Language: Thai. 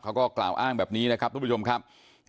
เขาก็กล่าวอ้างแบบนี้นะครับทุกผู้ชมครับ